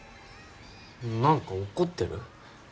何か怒ってる？